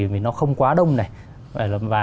vì nó không quá đông này